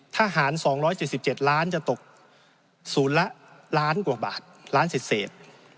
ทหารสองร้อยเจ็ดสิบเจ็ดล้านจะตกศูนย์ละล้านกว่าบาทล้านสิบเศษ